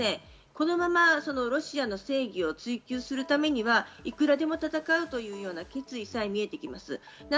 このままロシアの正義を追求するためには、いくらでも戦うという決意さえ見えてきます。